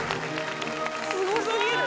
すごすぎる。